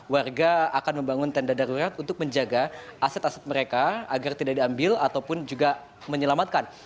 warga akan membangun tenda darurat untuk menjaga aset aset mereka agar tidak diambil ataupun juga menyelamatkan